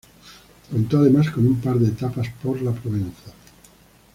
Contó además con un par de etapas por la Provenza.